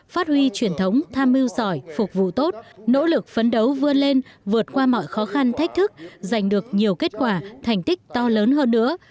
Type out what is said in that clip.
phát huy truyền thống tham mưu giỏi phục vụ tốt nỗ lực phấn đấu vươn lên vượt qua mọi khó khăn thách thức giành được nhiều kết quả thành tích to lớn hơn nữa